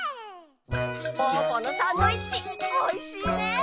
ぽぅぽのサンドイッチおいしいね。